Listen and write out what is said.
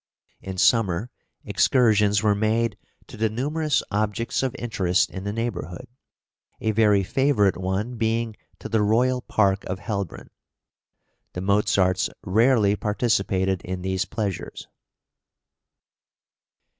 In summer, excursions were made to the numerous objects of interest in the neighbourhood, a very favourite one being to the royal park of Hellbronn. The Mozarts rarely participated in these pleasures.